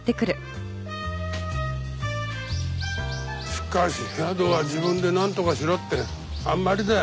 しかし宿は自分でなんとかしろってあんまりだよ。